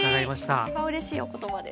一番うれしいお言葉です。